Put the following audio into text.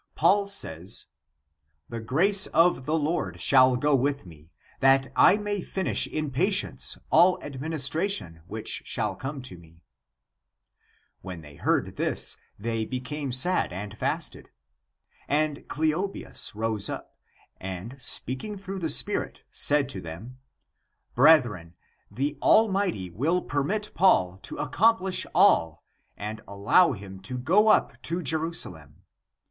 Paul says :" The grace of the Lord shall go with me, that I may finish in patience all administration, which shall come to me." When they heard this, they became sad and fasted. And Cleobius rose up, and speaking through the spirit said to them :" Brethren, the [Almighty?] will permit Paul to accomplish all and allow him to go up [to Jerusalem?